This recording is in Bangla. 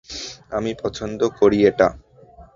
আমি পছন্দ করি এটা।